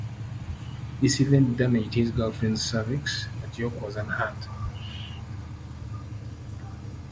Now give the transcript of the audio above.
This event damaged his girlfriend's cervix, but Yorke was unhurt.